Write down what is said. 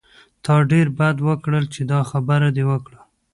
تا ډېر بد وکړل چې دا خبره دې وکړه.